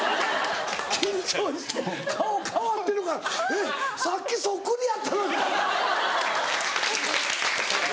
緊張して顔変わってるから「えっ！さっきそっくりやったのに！」。